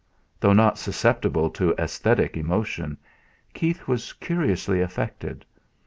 Though not susceptible to aesthetic emotion, Keith was curiously affected.